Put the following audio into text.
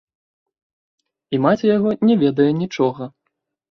І маці яго не ведае нічога.